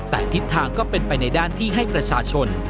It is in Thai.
แต่ทิศทางก็เป็นไปในด้านที่ให้ประชาชน